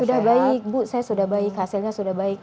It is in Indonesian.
sudah baik bu saya sudah baik hasilnya sudah baik